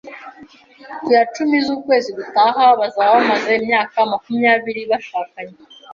Ku ya cumi z'ukwezi gutaha, bazaba bamaze imyaka makumyabiri bashakanye.